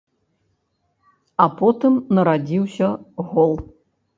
А потым нарадзіўся гол.